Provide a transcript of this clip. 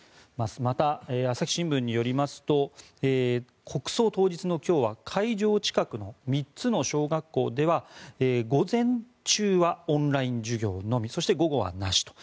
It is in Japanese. また、朝日新聞によりますと国葬当日の今日は会場近くの３つの小学校では午前中はオンライン授業のみそして午後はなしと。